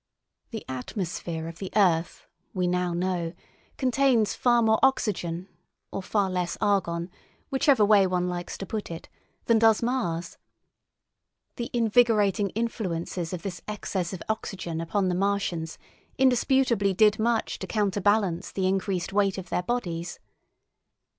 The atmosphere of the earth, we now know, contains far more oxygen or far less argon (whichever way one likes to put it) than does Mars'. The invigorating influences of this excess of oxygen upon the Martians indisputably did much to counterbalance the increased weight of their bodies.